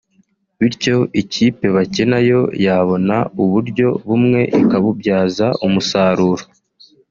bityo ikipe bakina yo yabona uburyo bumwe ikabubyaza umusaruro